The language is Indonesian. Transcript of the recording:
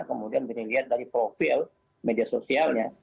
kemudian dilihat dari profil media sosialnya